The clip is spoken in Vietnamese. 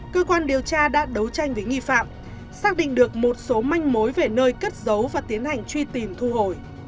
cơ quan điều tra đã đấu tranh với nghi phạm xác định được một số manh mối về nơi cất giấu và tiến hành truy tìm thu hồi